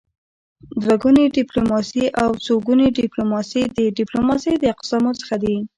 دوه ګوني ډيپلوماسي او څوګوني ډيپلوماسي د ډيپلوماسی د اقسامو څخه دي.